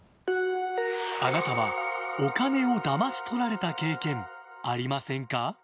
あなたはお金をだまし取られた経験ありませんか？